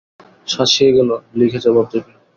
শাসিয়ে গেল, লিখে জবাব দেবে।